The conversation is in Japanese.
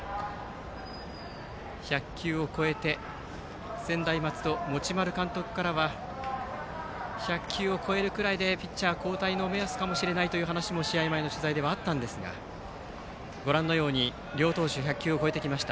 １００球を超えて専大松戸の持丸監督からは１００球を超えるぐらいでピッチャー交代の目安かもしれないという話も試合前の取材ではあったんですがご覧のように両投手１００球を超えてきました。